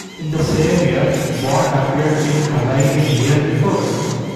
In the same year, Bond appeared in Have I Been Here Before?